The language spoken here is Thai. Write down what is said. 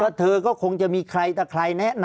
ภารกิจสรรค์ภารกิจสรรค์